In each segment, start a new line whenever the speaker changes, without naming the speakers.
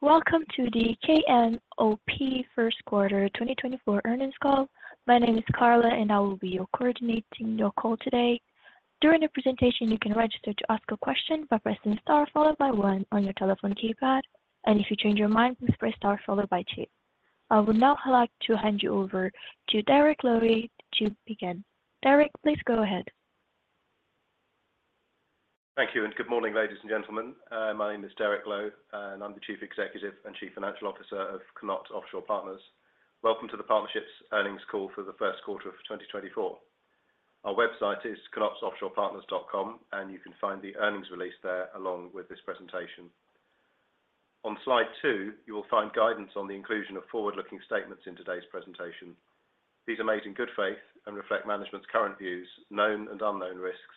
Welcome to The KNOP First Quarter 2024 Earnings Call. My name is Carla, and I will be coordinating your call today. During the presentation, you can register to ask a question by pressing star followed by one on your telephone keypad, and if you change your mind, please press star followed by two. I would now like to hand you over to Derek Lowe to begin. Derek, please go ahead.
Thank you, and good morning, ladies and gentlemen. My name is Derek Lowe, and I'm the Chief Executive and Chief Financial Officer of KNOT Offshore Partners. Welcome to the Partnership's earnings call for the first quarter of 2024. Our website is knotoffshorepartners.com, and you can find the earnings release there, along with this presentation. On slide two, you will find guidance on the inclusion of forward-looking statements in today's presentation. These are made in good faith and reflect management's current views, known and unknown risks,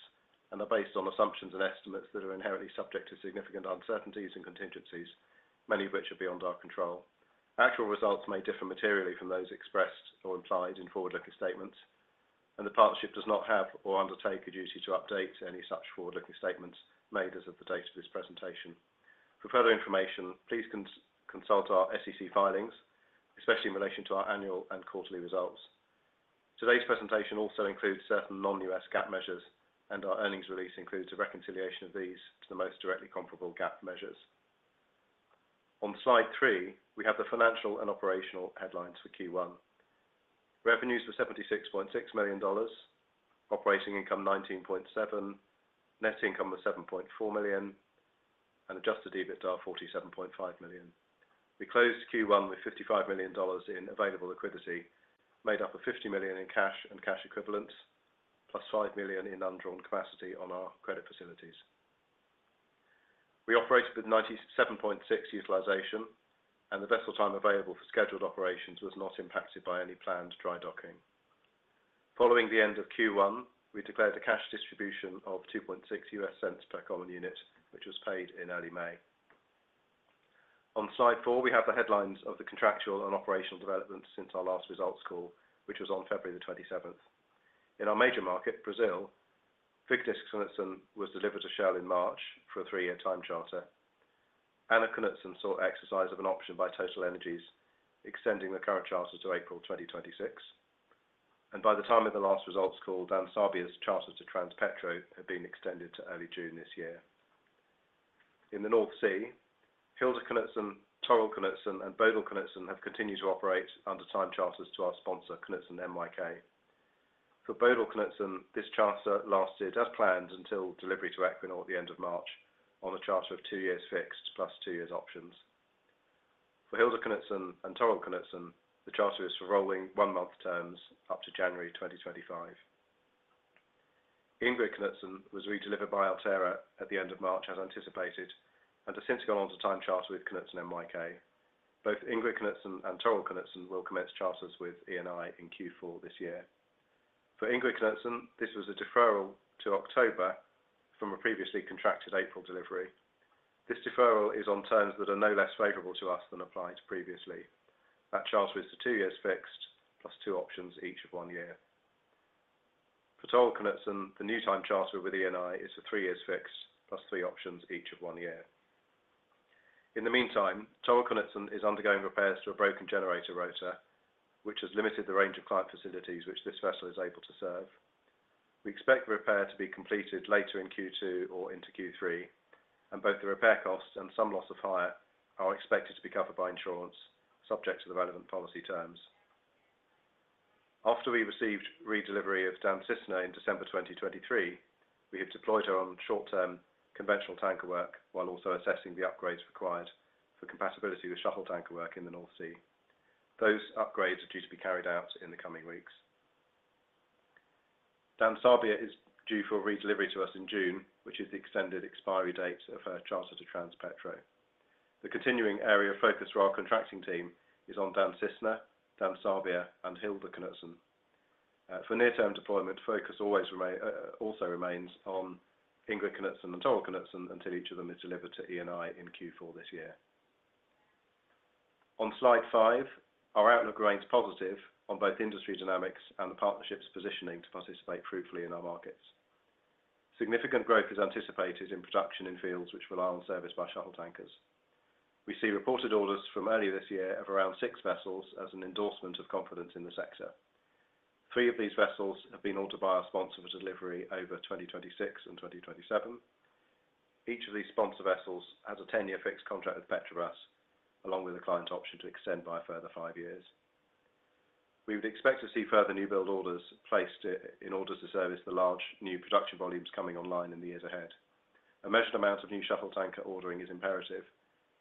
and are based on assumptions and estimates that are inherently subject to significant uncertainties and contingencies, many of which are beyond our control. Actual results may differ materially from those expressed or implied in forward-looking statements, and the partnership does not have or undertake a duty to update any such forward-looking statements made as of the date of this presentation. For further information, please consult our SEC filings, especially in relation to our annual and quarterly results. Today's presentation also includes certain Non-US GAAP measures, and our earnings release includes a reconciliation of these to the most directly comparable GAAP measures. On slide three, we have the financial and operational headlines for Q1. Revenues were $76.6 million, operating income $19.7 million, net income was $7.4 million, and Adjusted EBITDA $47.5 million. We closed Q1 with $55 million in available liquidity, made up of $50 million in cash and cash equivalents, plus $5 million in undrawn capacity on our credit facilities. We operated with 97.6% utilization, and the vessel time available for scheduled operations was not impacted by any planned dry docking. Following the end of Q1, we declared a cash distribution of $0.026 per common unit, which was paid in early May. On slide four, we have the headlines of the contractual and operational developments since our last results call, which was on February the 27th. In our major market, Brazil, Vigdis Knutsen was delivered to Shell in March for a three-year time charter. Anna Knutsen saw exercise of an option by TotalEnergies, extending the current charter to April 2026, and by the time of the last results call, Dan Sabia's charter to Transpetro had been extended to early June this year. In the North Sea, Hilda Knutsen, Torill Knutsen, and Bodil Knutsen have continued to operate under time charters to our sponsor, Knutsen NYK. For Bodil Knutsen, this charter lasted as planned until delivery to Equinor at the end of March on a charter of two years fixed, plus two years options. For Hilda Knutsen and Torill Knutsen, the charter is for rolling one-month terms up to January 2025. Ingrid Knutsen was redelivered by Altera at the end of March, as anticipated, and has since gone on to time charter with Knutsen NYK. Both Ingrid Knutsen and Torill Knutsen will commence charters with Eni in Q4 this year. For Ingrid Knutsen, this was a deferral to October from a previously contracted April delivery. This deferral is on terms that are no less favorable to us than applied previously. That charter is for two years fixed, plus two options, each of one year. For Torill Knutsen, the new time charter with Eni is for three years fixed, plus three options, each of one year. In the meantime, Torill Knutsen is undergoing repairs to a broken generator rotor, which has limited the range of client facilities which this vessel is able to serve. We expect the repair to be completed later in Q2 or into Q3, and both the repair costs and some loss of hire are expected to be covered by insurance, subject to the relevant policy terms. After we received redelivery of Dan Cisne in December 2023, we have deployed her on short-term conventional tanker work while also assessing the upgrades required for compatibility with shuttle tanker work in the North Sea. Those upgrades are due to be carried out in the coming weeks. Dan Sabia is due for redelivery to us in June, which is the extended expiry date of her charter to Transpetro. The continuing area of focus for our contracting team is on Dan Cisne, Dan Sabia and Hilda Knutsen. For near-term deployment, focus always remain, also remains on Ingrid Knutsen and Torill Knutsen until each of them is delivered to Eni in Q4 this year. On slide 5, our outlook remains positive on both industry dynamics and the partnership's positioning to participate profitably in our markets. Significant growth is anticipated in production in fields which rely on service by shuttle tankers. We see reported orders from earlier this year of around 6 vessels as an endorsement of confidence in the sector. 3 of these vessels have been ordered by our sponsor for delivery over 2026 and 2027. Each of these sponsor vessels has a 10-year fixed contract with Petrobras, along with a client option to extend by a further five years. We would expect to see further new build orders placed in order to service the large new production volumes coming online in the years ahead. A measured amount of new shuttle tanker ordering is imperative.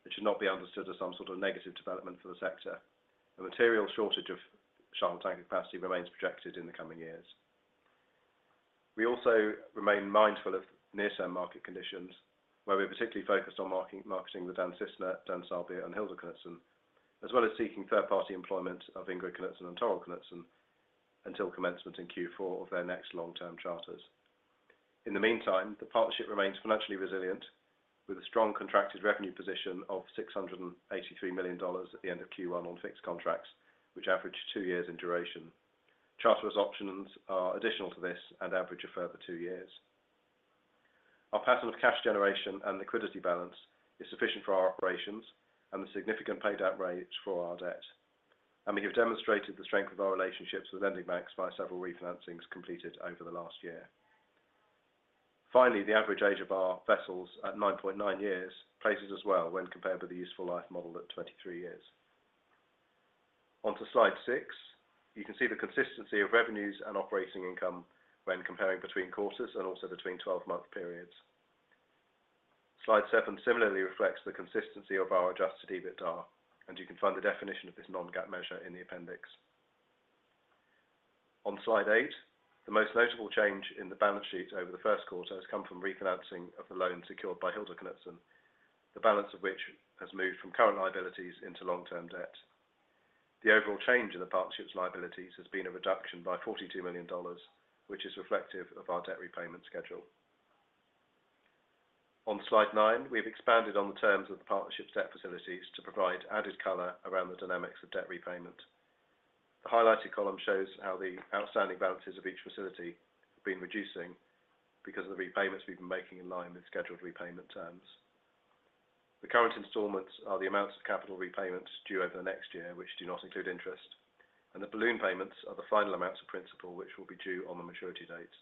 It should not be understood as some sort of negative development for the sector. The material shortage of shuttle tanker capacity remains projected in the coming years. We also remain mindful of near-term market conditions, where we're particularly focused on marketing the Dan Cisne, Dan Sabia and Hilda Knutsen, as well as seeking third-party employment of Ingrid Knutsen and Torill Knutsen until commencement in Q4 of their next long-term charters. In the meantime, the partnership remains financially resilient, with a strong contracted revenue position of $683 million at the end of Q1 on fixed contracts, which average two years in duration. Charterers' options are additional to this and average a further two years. Our pattern of cash generation and liquidity balance is sufficient for our operations and the significant paid-out rates for our debt. We have demonstrated the strength of our relationships with lending banks by several refinancings completed over the last year. Finally, the average age of our vessels, at 9.9 years, places us well when compared with the useful life model at 23 years. On to slide six, you can see the consistency of revenues and operating income when comparing between quarters and also between 12-month periods. Slide 7 similarly reflects the consistency of our adjusted EBITDA, and you can find the definition of this non-GAAP measure in the appendix. On slide 8, the most notable change in the balance sheet over the first quarter has come from refinancing of the loan secured by Hilda Knutsen, the balance of which has moved from current liabilities into long-term debt. The overall change in the partnership's liabilities has been a reduction by $42 million, which is reflective of our debt repayment schedule. On slide nine, we've expanded on the terms of the partnership's debt facilities to provide added color around the dynamics of debt repayment. The highlighted column shows how the outstanding balances of each facility have been reducing because of the repayments we've been making in line with scheduled repayment terms. The current installments are the amounts of capital repayments due over the next year, which do not include interest, and the balloon payments are the final amounts of principal, which will be due on the maturity dates.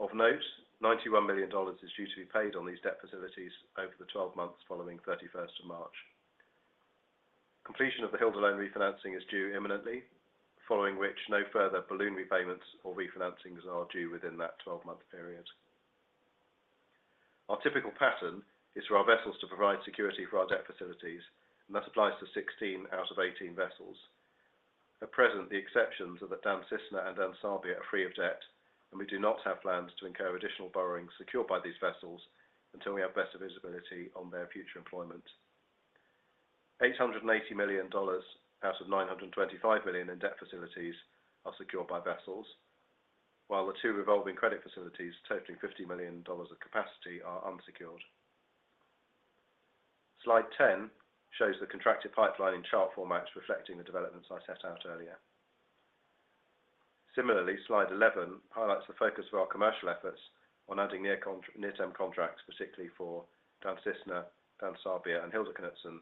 Of note, $91 million is due to be paid on these debt facilities over the 12 months following March 31. Completion of the Hilda loan refinancing is due imminently, following which no further balloon repayments or refinancings are due within that 12-month period. Our typical pattern is for our vessels to provide security for our debt facilities, and that applies to 16 out of 18 vessels. At present, the exceptions are that Dan Cisne and Dan Sabia are free of debt, and we do not have plans to incur additional borrowings secured by these vessels until we have better visibility on their future employment. $880 million out of $925 million in debt facilities are secured by vessels, while the two revolving credit facilities, totaling $50 million of capacity, are unsecured. Slide 10 shows the contracted pipeline in chart format, reflecting the developments I set out earlier. Similarly, slide 11 highlights the focus of our commercial efforts on adding near-term contracts, particularly for Dan Cisne, Dan Sabia, and Hilda Knutsen,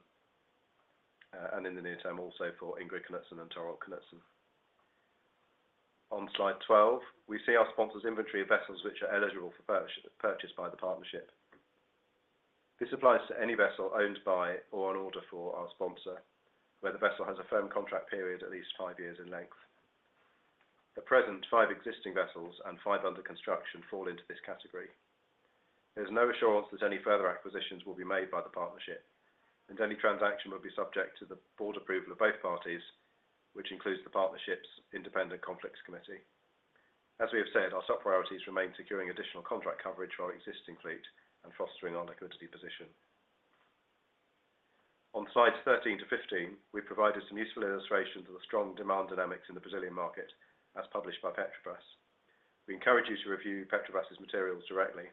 and in the near term, also for Ingrid Knutsen and Torill Knutsen. On slide 12, we see our sponsor's inventory of vessels, which are eligible for purchase by the partnership. This applies to any vessel owned by or on order for our sponsor, where the vessel has a firm contract period at least five years in length. At present, five existing vessels and five under construction fall into this category. There's no assurance that any further acquisitions will be made by the partnership, and any transaction will be subject to the board approval of both parties, which includes the partnership's independent conflicts committee. As we have said, our top priorities remain securing additional contract coverage for our existing fleet and fostering our liquidity position. On slides 13 to 15, we've provided some useful illustrations of the strong demand dynamics in the Brazilian market, as published by Petrobras. We encourage you to review Petrobras's materials directly.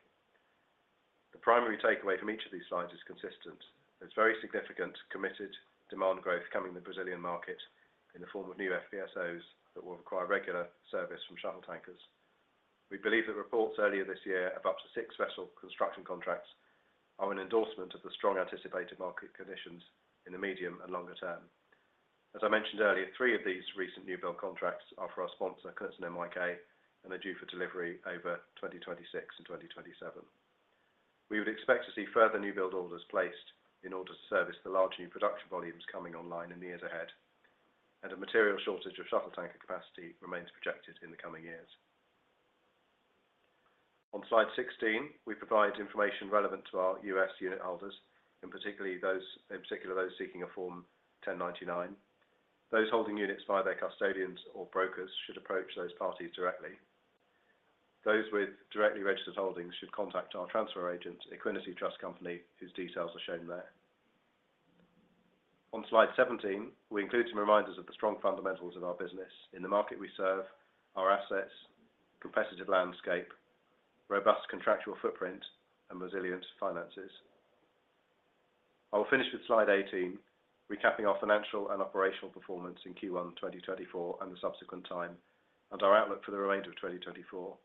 The primary takeaway from each of these slides is consistent. There's very significant committed demand growth coming in the Brazilian market in the form of new FPSOs that will require regular service from shuttle tankers. We believe the reports earlier this year of up to 6 vessel construction contracts are an endorsement of the strong anticipated market conditions in the medium and longer term. As I mentioned earlier, three of these recent new-build contracts are for our sponsor, Knutsen NYK, and are due for delivery over 2026 and 2027. We would expect to see further new-build orders placed in order to service the large new production volumes coming online in the years ahead, and a material shortage of shuttle tanker capacity remains projected in the coming years. On slide 16, we provide information relevant to our U.S. unit holders, and particularly those—in particular, those seeking a Form 1099. Those holding units via their custodians or brokers should approach those parties directly. Those with directly registered holdings should contact our transfer agent, Equiniti Trust Company, whose details are shown there. On slide 17, we include some reminders of the strong fundamentals of our business in the market we serve, our assets, competitive landscape, robust contractual footprint, and resilient finances. I will finish with slide 18, recapping our financial and operational performance in Q1 2024 and the subsequent time, and our outlook for the remainder of 2024.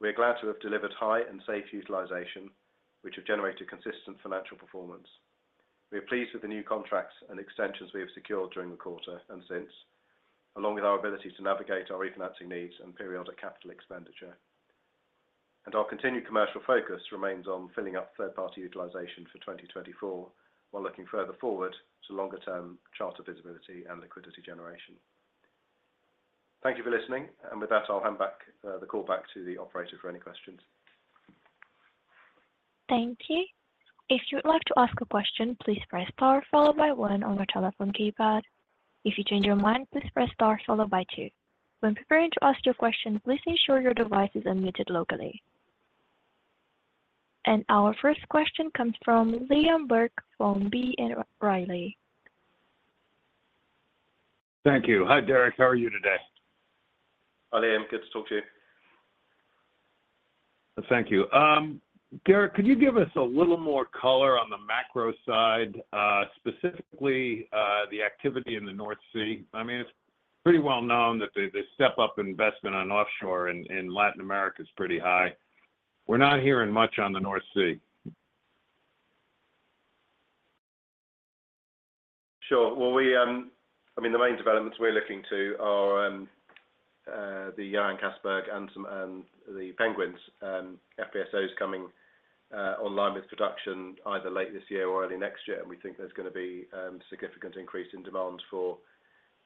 We are glad to have delivered high and safe utilization, which have generated consistent financial performance. We are pleased with the new contracts and extensions we have secured during the quarter and since, along with our ability to navigate our refinancing needs and periodic capital expenditure. Our continued commercial focus remains on filling up third-party utilization for 2024, while looking further forward to longer-term charter visibility and liquidity generation. Thank you for listening, and with that, I'll hand back the call back to the operator for any questions.
Thank you. If you would like to ask a question, please press star followed by one on your telephone keypad. If you change your mind, please press star followed by two. When preparing to ask your question, please ensure your device is unmuted locally. Our first question comes from Liam Burke from B. Riley.
Thank you. Hi, Derek. How are you today?
Hi, Liam. Good to talk to you.
Thank you. Derek, could you give us a little more color on the macro side, specifically, the activity in the North Sea? I mean, it's pretty well known that the step-up investment on offshore in Latin America is pretty high. We're not hearing much on the North Sea.
Sure. Well, we—I mean, the main developments we're looking to are the Johan Castberg and some the Penguins FPSOs coming online with production either late this year or early next year. And we think there's gonna be significant increase in demand for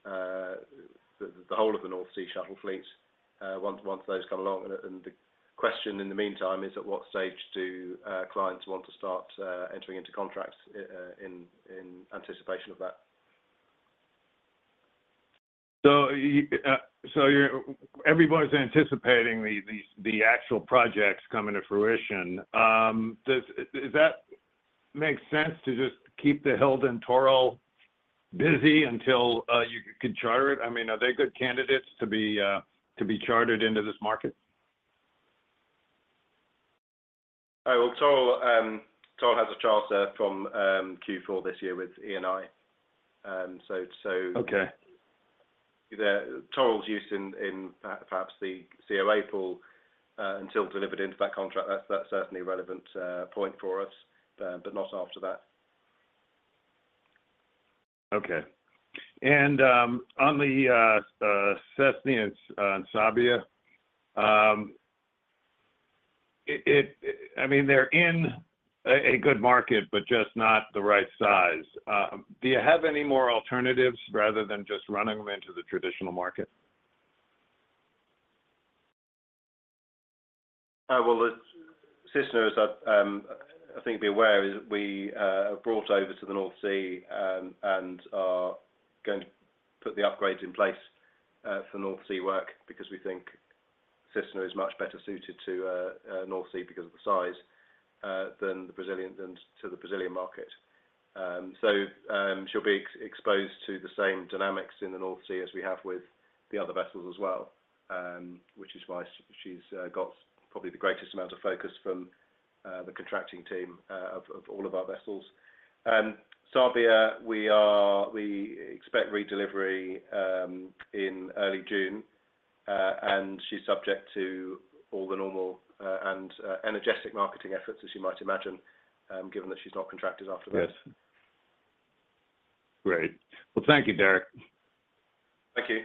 the whole of the North Sea shuttle fleets once those come along. And the question in the meantime is, at what stage do clients want to start entering into contracts in anticipation of that?
So you're everybody's anticipating the actual projects coming to fruition. Does that make sense to just keep the Hilda and Torill busy until you can charter it? I mean, are they good candidates to be chartered into this market?
Oh, well, Torill has a charter from Q4 this year with Eni. So,
Okay.
The Torill's use in perhaps the COA pool until delivered into that contract, that's certainly a relevant point for us, but not after that.
Okay. And on the Cisne and Sabia, I mean, they're in a good market, but just not the right size. Do you have any more alternatives rather than just running them into the traditional market?
Well, the Dan Cisne, as I think be aware, is we brought over to the North Sea and are going to put the upgrades in place for North Sea work, because we think Dan Cisne is much better suited to North Sea because of the size than the Brazilian, than to the Brazilian market. So, she'll be exposed to the same dynamics in the North Sea as we have with the other vessels as well, which is why she's got probably the greatest amount of focus from the contracting team of all of our vessels. And Dan Sabia, we expect redelivery in early June, and she's subject to all the normal and energetic marketing efforts, as you might imagine, given that she's not contracted afterwards.
Yes. Great. Well, thank you, Derek.
Thank you.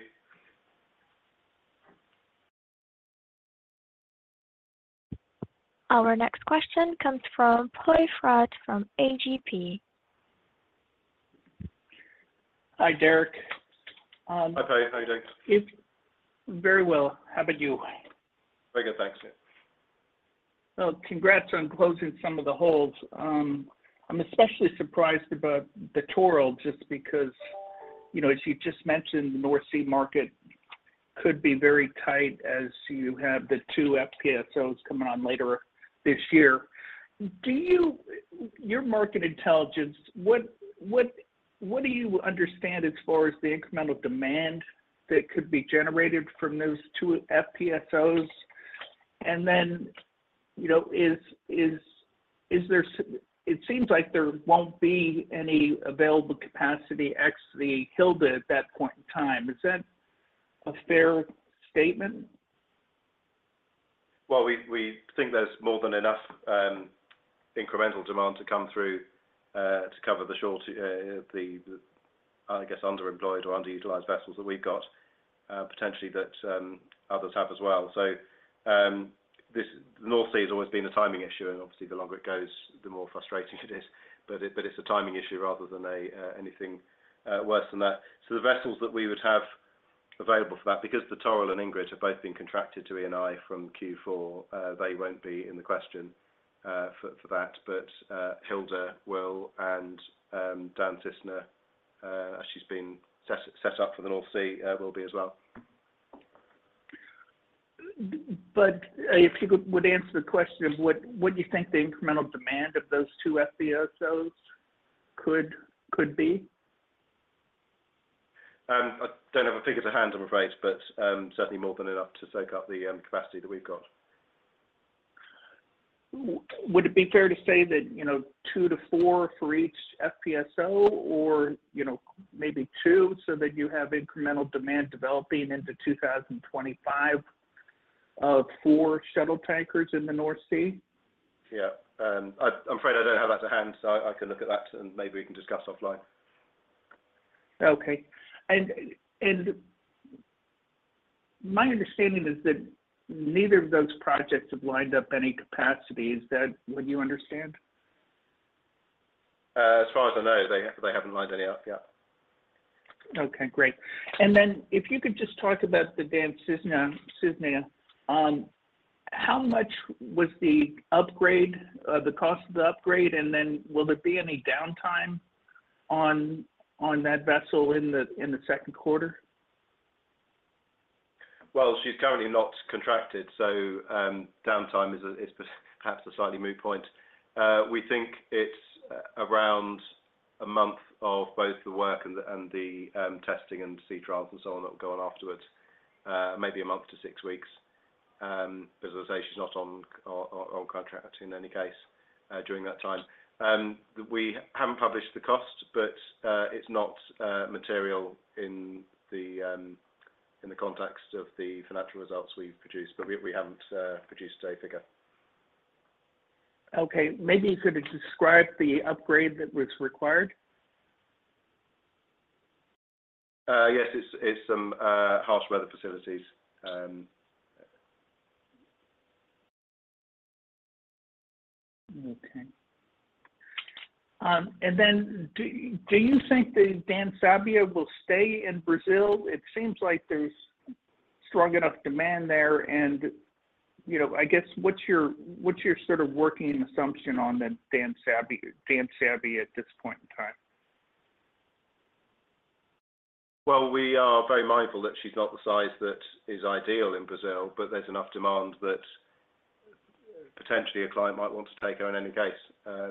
Our next question comes from Poe Fratt from AGP.
Hi, Derek.
Hi, Poe. How are you doing?
Very well. How about you?
Very good, thanks.
Well, congrats on closing some of the holds. I'm especially surprised about the Torill, just because, you know, as you just mentioned, the North Sea market could be very tight as you have the two FPSOs coming on later this year. Do you—your market intelligence, what do you understand as far as the incremental demand that could be generated from those two FPSOs? And then, you know, is there. It seems like there won't be any available capacity, ex the Hilda, at that point in time. Is that a fair statement?
Well, we think there's more than enough incremental demand to come through to cover the short, I guess, underemployed or underutilized vessels that we've got, potentially that others have as well. So, this North Sea has always been a timing issue, and obviously, the longer it goes, the more frustrating it is. But it's a timing issue rather than anything worse than that. So the vessels that we would have available for that, because the Torill and Ingrid have both been contracted to Eni from Q4, they won't be in the equation for that. But, Hilda will, and, Dan Cisne, she's been set up for the North Sea, will be as well.
But, if you would answer the question, what do you think the incremental demand of those two FPSOs could be?
I don't have the figures at hand, I'm afraid, but certainly more than enough to soak up the capacity that we've got.
Would it be fair to say that, you know, 2-4 for each FPSO or, you know, maybe 2, so that you have incremental demand developing into 2025 of 4 shuttle tankers in the North Sea?
Yeah. I'm afraid I don't have that to hand, so I can look at that, and maybe we can discuss offline.
Okay. My understanding is that neither of those projects have lined up any capacity. Is that what you understand?
As far as I know, they, they haven't lined any up, yeah.
Okay, great. And then, if you could just talk about the Dan Cisne, Cisne. How much was the upgrade, the cost of the upgrade, and then will there be any downtime on that vessel in the second quarter?
Well, she's currently not contracted, so, downtime is perhaps a slightly moot point. We think it's around a month of both the work and the testing and sea trials and so on, that will go on afterwards, maybe a month to six weeks. But as I say, she's not on contract in any case, during that time. We haven't published the cost, but, it's not material in the context of the financial results we've produced, but we haven't produced a figure.
Okay, maybe you could describe the upgrade that was required?
Yes, it's some harsh weather facilities.
Okay. And then do you think the Dan Sabia will stay in Brazil? It seems like there's strong enough demand there, and, you know, I guess, what's your, what's your sort of working assumption on the Dan Sabia, Dan Sabia, at this point in time?
Well, we are very mindful that she's not the size that is ideal in Brazil, but there's enough demand that potentially a client might want to take her in any case.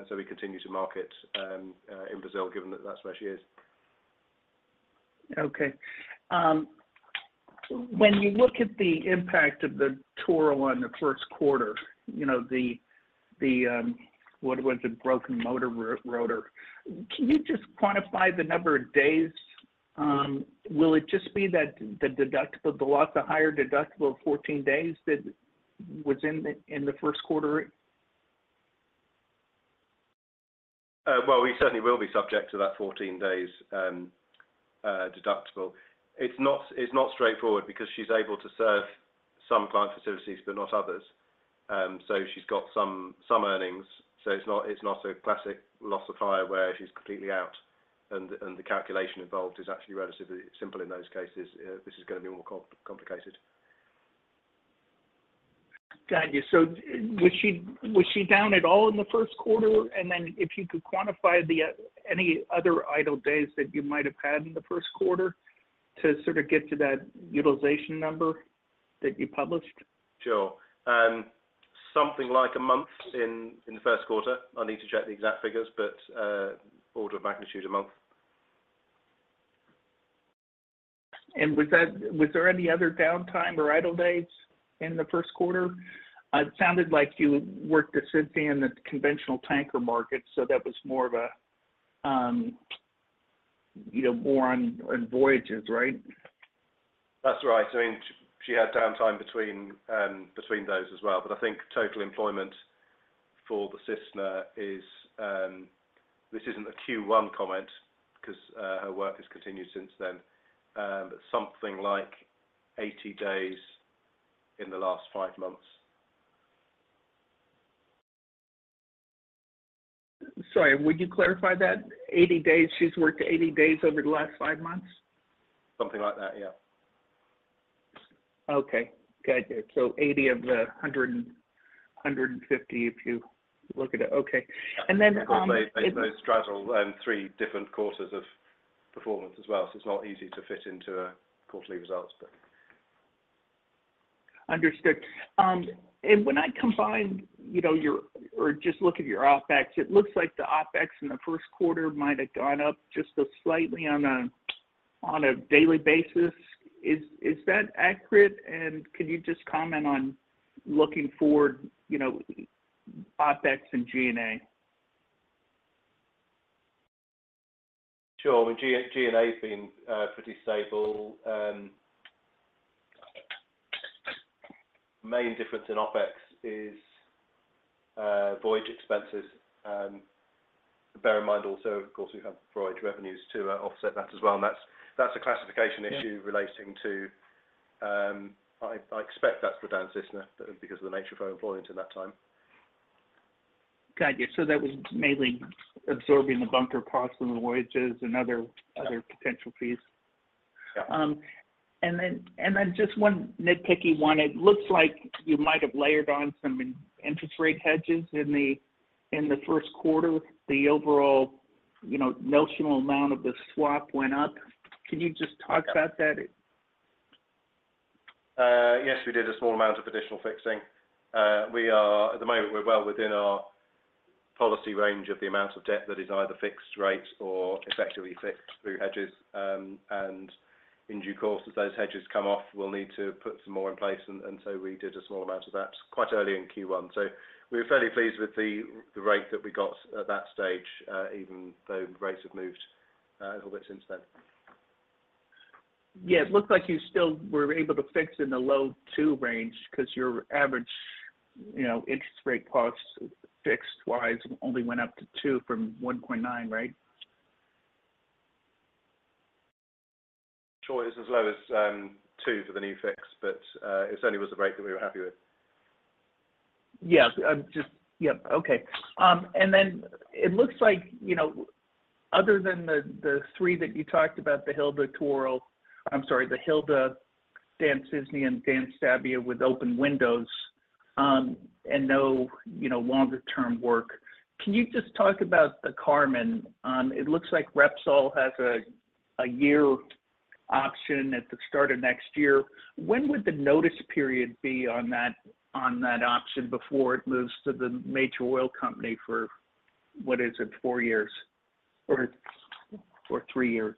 So we continue to market in Brazil, given that that's where she is.
Okay. When you look at the impact of the Torill on the first quarter, you know, what was it? Broken motor rotor. Can you just quantify the number of days? Will it just be that the deductible, the loss, the higher deductible of 14 days that was in the first quarter?
Well, we certainly will be subject to that 14 days deductible. It's not, it's not straightforward because she's able to serve some client facilities, but not others. So she's got some, some earnings. So it's not, it's not a classic loss of hire, where she's completely out and the calculation involved is actually relatively simple in those cases. This is gonna be more complicated.
Got you. So was she, was she down at all in the first quarter? And then if you could quantify the any other idle days that you might have had in the first quarter to sort of get to that utilization number that you published?
Sure. Something like a month in the first quarter. I need to check the exact figures, but, order of magnitude, a month.
Was there any other downtime or idle days in the first quarter? It sounded like you worked the Cisne in the conventional tanker market, so that was more of a, you know, more on, on voyages, right?
That's right. I mean, she, she had downtime between, between those as well. But I think total employment for the Cisne is... This isn't a Q1 comment, 'cause, her work has continued since then. But something like 80 days in the last 5 months.
Sorry, would you clarify that? 80 days, she's worked 80 days over the last 5 months?
Something like that, yeah.
Okay. Got you. So 80 of the 100 and, 100 and 150, if you look at it. Okay, and then,
They, they straddle three different quarters of performance as well, so it's not easy to fit into a quarterly results, but...
Understood. And when I combine, you know, your or just look at your OpEx, it looks like the OpEx in the first quarter might have gone up just slightly on a daily basis. Is that accurate? And could you just comment on looking forward, you know, OpEx and G&A?
Sure. Well, G&A's been pretty stable. Main difference in OpEx is voyage expenses. Bear in mind also, of course, we have voyage revenues to offset that as well, and that's a classification issue-
Yeah...
relating to, I expect that's for Dan Cisne, because of the nature of her employment at that time.
Got you. So that was mainly absorbing the bunker costs and the voyages and other, other potential fees?
Yeah.
Then just one nitpicky one. It looks like you might have layered on some interest rate hedges in the first quarter. The overall, you know, notional amount of the swap went up. Can you just talk about that?
Yes, we did a small amount of additional fixing. We are at the moment, we're well within our policy range of the amount of debt that is either fixed rate or effectively fixed through hedges. And in due course, as those hedges come off, we'll need to put some more in place, and so we did a small amount of that, quite early in Q1. So we were fairly pleased with the rate that we got at that stage, even though rates have moved a little bit since then.
Yeah, it looked like you still were able to fix in the low 2 range, 'cause your average, you know, interest rate costs, fixed-wise, only went up to 2 from 1.9, right?
Sure, it's as low as two for the new fix, but it certainly was a rate that we were happy with.
Yeah, just—yep. Okay, and then it looks like, you know, other than the three that you talked about, the Hilda Torill- I'm sorry, the Hilda, Dan Cisne, and Dan Sabia, with open windows, and no, you know, longer term work. Can you just talk about the Carmen? It looks like Repsol has a year option at the start of next year, when would the notice period be on that, on that option before it moves to the major oil company for, what is it, four years or three years?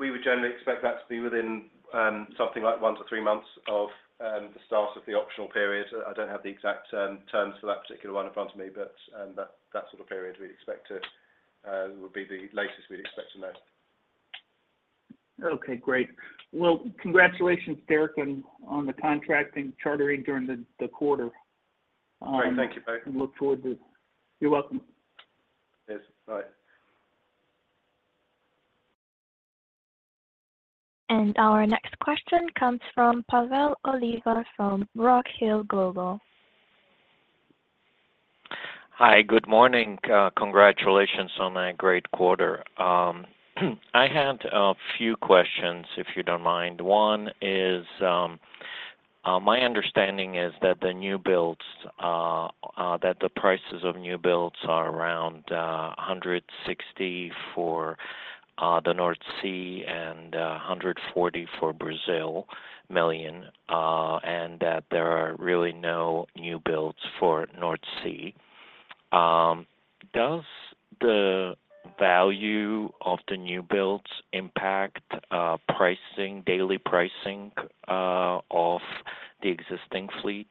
We would generally expect that to be within something like 1-3 months of the start of the optional period. I, I don't have the exact terms for that particular one in front of me, but that, that sort of period, we'd expect to would be the latest we'd expect to know.
Okay, great. Well, congratulations, Derek, on the contracting chartering during the quarter.
Great. Thank you, Poe.
And look forward to—you're welcome.
Yes. Bye.
Our next question comes from Pavel Oliva from Rock Hill Global.
Hi, good morning. Congratulations on a great quarter. I had a few questions, if you don't mind. One is, my understanding is that the new builds, that the prices of new builds are around $160 million for the North Sea and $140 million for Brazil, and that there are really no new builds for North Sea. Does the value of the new builds impact pricing, daily pricing, of the existing fleet?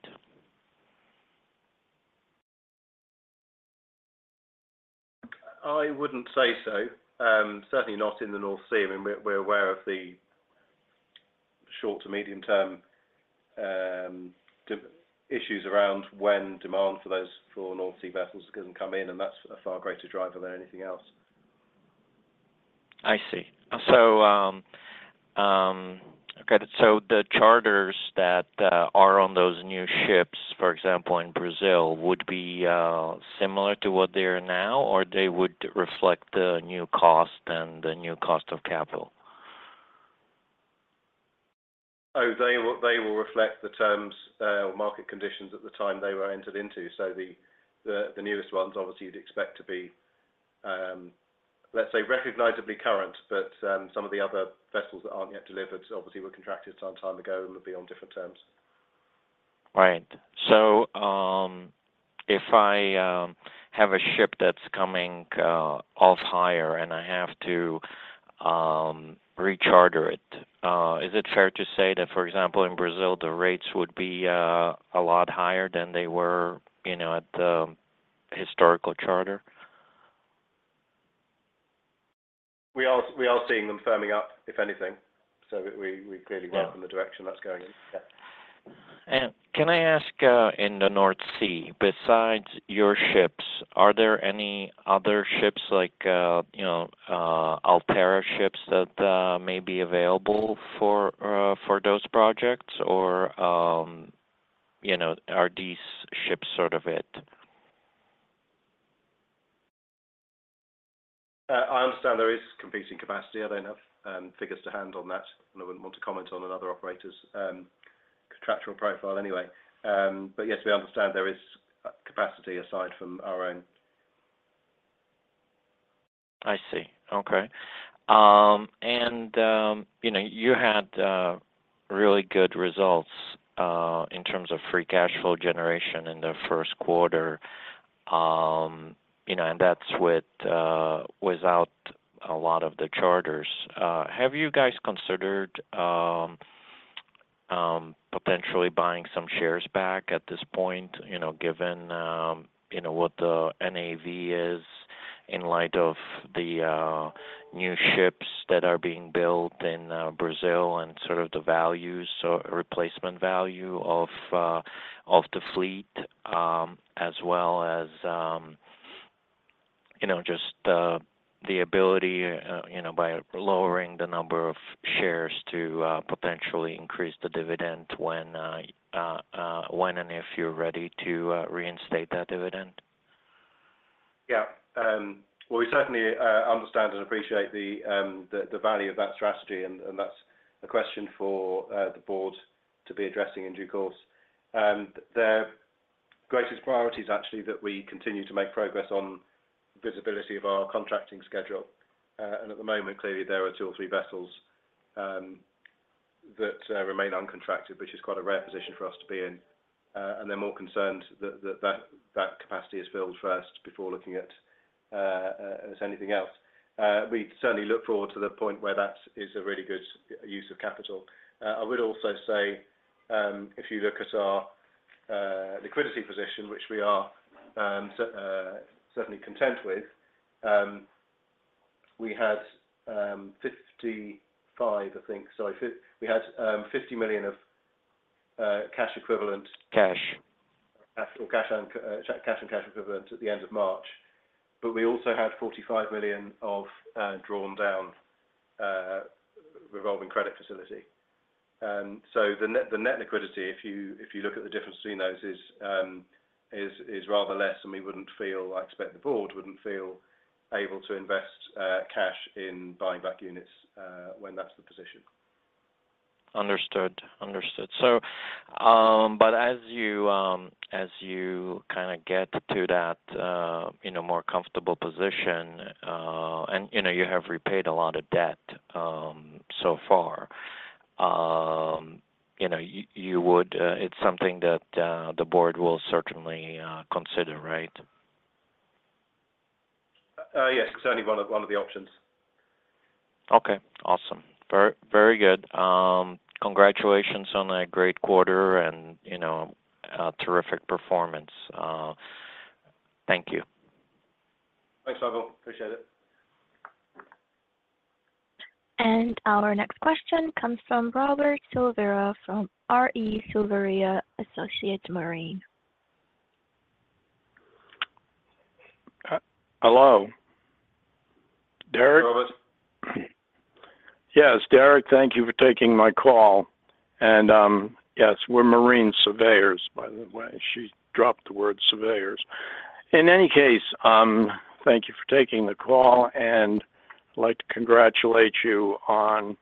I wouldn't say so. Certainly not in the North Sea. I mean, we're aware of the short- to medium-term issues around when demand for those four North Sea vessels can come in, and that's a far greater driver than anything else.
I see. So, okay, so the charters that are on those new ships, for example, in Brazil, would be similar to what they are now, or they would reflect the new cost and the new cost of capital?
Oh, they will, they will reflect the terms, or market conditions at the time they were entered into. So the newest ones, obviously, you'd expect to be, let's say, recognizably current, but, some of the other vessels that aren't yet delivered, obviously, were contracted some time ago and would be on different terms.
Right. So, if I have a ship that's coming off hire and I have to recharter it, is it fair to say that, for example, in Brazil, the rates would be a lot higher than they were, you know, at the historical charter?
We are seeing them firming up, if anything, so we clearly welcome-
Yeah...
the direction that's going in. Yeah.
And can I ask, in the North Sea, besides your ships, are there any other ships like, you know, Altera ships that may be available for those projects? Or, you know, are these ships sort of it?
I understand there is competing capacity. I don't have figures to hand on that, and I wouldn't want to comment on another operator's contractual profile anyway. But yes, we understand there is capacity aside from our own.
I see. Okay. And, you know, you had really good results in terms of free cash flow generation in the first quarter. You know, and that's with without a lot of the charters. Have you guys considered potentially buying some shares back at this point? You know, given, you know, what the NAV is in light of the new ships that are being built in Brazil and sort of the values, so replacement value of the fleet, as well as, you know, just the ability, you know, by lowering the number of shares to potentially increase the dividend when and if you're ready to reinstate that dividend.
Yeah. Well, we certainly understand and appreciate the value of that strategy, and that's a question for the board to be addressing in due course. Their greatest priority is actually that we continue to make progress on visibility of our contracting schedule. And at the moment, clearly there are two or three vessels that remain uncontracted, which is quite a rare position for us to be in. And they're more concerned that capacity is filled first before looking at anything else. We certainly look forward to the point where that is a really good use of capital. I would also say, if you look at our liquidity position, which we are certainly content with, we had 55, I think, sorry, we had $50 million of cash equivalent.
Cash
Actual cash and cash and cash equivalent at the end of March, but we also had $45 million of drawn down revolving credit facility. So the net, the net liquidity, if you, if you look at the difference between those is, is rather less, and we wouldn't feel, I expect the board wouldn't feel able to invest cash in buying back units when that's the position.
Understood. Understood. So, but as you, as you kind of get to that, you know, more comfortable position, and, you know, you have repaid a lot of debt, so far, you know, you would, it's something that, the board will certainly, consider, right?
Yes, it's certainly one of the options.
Okay, awesome. Very, very good. Congratulations on a great quarter and, you know, terrific performance. Thank you.
Thanks, Pavel. Appreciate it.
Our next question comes from Robert Silvera from R.E. Silvera & Associates Marine Surveyors.
Hello, Derek?
Robert.
Yes, Derek, thank you for taking my call. And, yes, we're marine surveyors, by the way. She dropped the word surveyors. In any case, thank you for taking the call, and I'd like to congratulate you on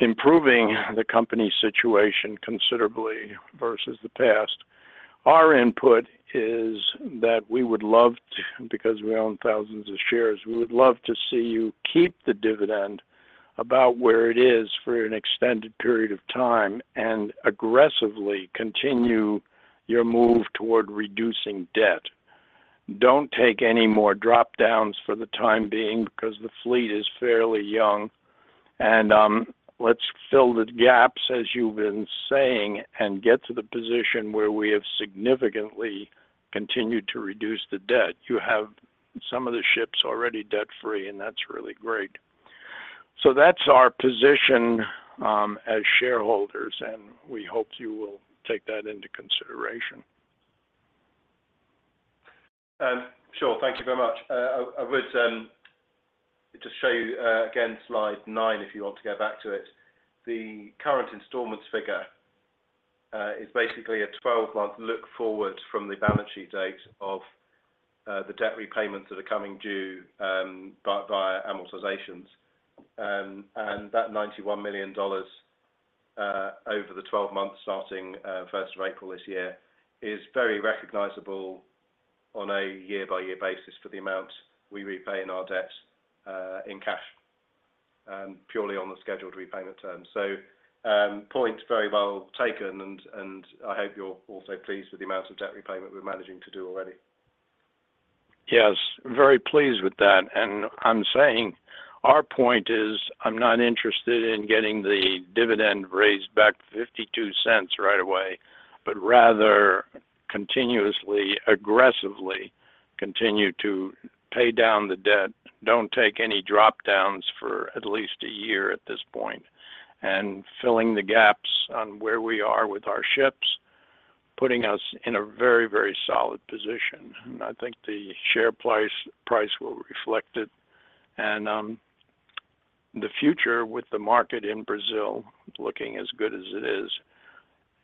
improving the company's situation considerably versus the past. Our input is that we would love to, because we own thousands of shares, we would love to see you keep the dividend about where it is for an extended period of time and aggressively continue your move toward reducing debt. Don't take any more drop-downs for the time being because the fleet is fairly young, and, let's fill the gaps, as you've been saying, and get to the position where we have significantly continued to reduce the debt. You have some of the ships already debt-free, and that's really great. That's our position, as shareholders, and we hope you will take that into consideration.
Sure. Thank you very much. I would just show you again, slide nine, if you want to go back to it. The current installments figure is basically a 12-month look forward from the balance sheet date of the debt repayments that are coming due by via amortizations. And that $91 million over the 12 months, starting first of April this year, is very recognizable on a year-by-year basis for the amount we repay in our debts in cash purely on the scheduled repayment terms. So, point very well taken, and I hope you're also pleased with the amount of debt repayment we're managing to do already.
Yes, very pleased with that. And I'm saying our point is, I'm not interested in getting the dividend raised back $0.52 right away, but rather continuously, aggressively continue to pay down the debt. Don't take any drop-downs for at least a year at this point, and filling the gaps on where we are with our ships, putting us in a very, very solid position. And I think the share price, price will reflect it. And, the future with the market in Brazil looking as good as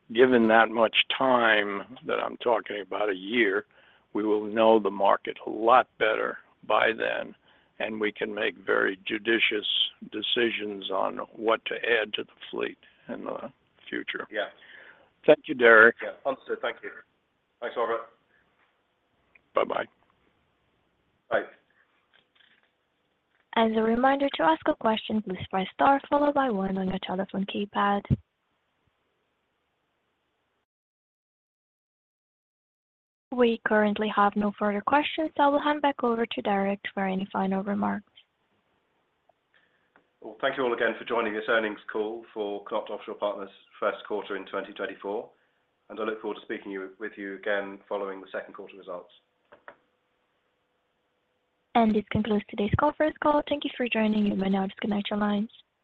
it is, given that much time that I'm talking about, a year, we will know the market a lot better by then, and we can make very judicious decisions on what to add to the fleet in the future.
Yeah.
Thank you, Derek.
Yeah. Awesome. Thank you. Thanks, Robert.
Bye-bye.
Bye.
As a reminder, to ask a question, please press star followed by one on your telephone keypad. We currently have no further questions, so I will hand back over to Derek for any final remarks.
Well, thank you all again for joining this earnings call for KNOT Offshore Partners first quarter in 2024, and I look forward to speaking with you again following the second quarter results.
This concludes today's conference call. Thank you for joining, you may now disconnect your lines.